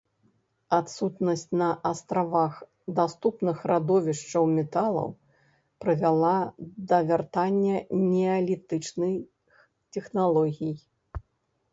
Адсутнасць на астравах даступных радовішчаў металаў прывяла да вяртання неалітычных тэхналогій.